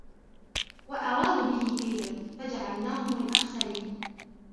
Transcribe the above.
وَأَرَادُوا بِهِ كَيْدًا فَجَعَلْنَاهُمُ الْأَخْسَرِينَ